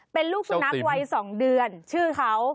เป็นลูกสุนัขวัย๒เดือนชื่อเขา